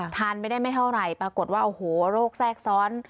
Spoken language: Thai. ทานไม่ได้ไม่เท่าไหร่ปรากฏว่าโอ้โหโรคแทรกซ้อน